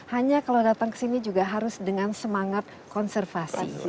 hanya kalau datang ke sini juga harus dengan semangat konservasi